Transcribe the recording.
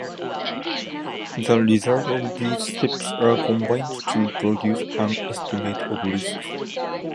The results of these steps are combined to produce an estimate of risk.